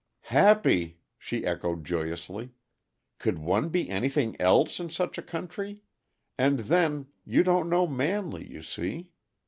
"Happy!" she echoed joyously. "Could one be anything else, in such a country? And then you don't know Manley, you see.